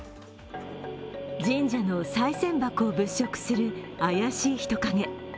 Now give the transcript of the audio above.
神社のさい銭箱を物色する怪しい人影。